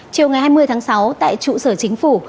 chiều ngày hai mươi tháng sáu tại trụ sở chính phủ